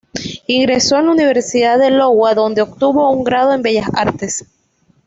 Ingresó en la Universidad de Iowa, donde obtuvo un grado en bellas artes.